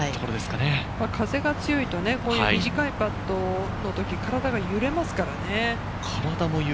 風が強いと短いパットの時、体が揺れますからね。